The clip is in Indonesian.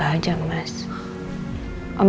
tapi adalah mengubah bert spontaneously tolong kepangme